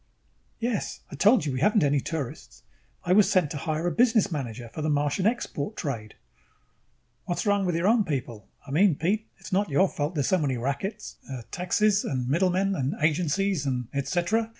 "Yes. I told you we haven't any tourists. I was sent to hire a business manager for the Martian export trade." "What's wrong with your own people? I mean, Pete, it is not your fault there are so many rackets uh, taxes and middlemen and agencies and et cetera.